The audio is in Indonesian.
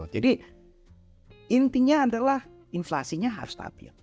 jadi intinya adalah inflasinya harus stabil